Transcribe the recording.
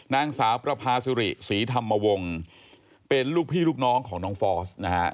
นางสาวประพาสุริศรีธรรมวงศ์เป็นลูกพี่ลูกน้องของน้องฟอสนะฮะ